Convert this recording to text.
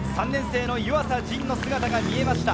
３年生の湯浅仁の姿が見えました。